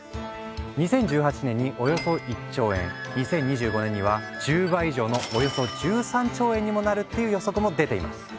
２０１８年におよそ１兆円２０２５年には１０倍以上のおよそ１３兆円にもなるっていう予測も出ています。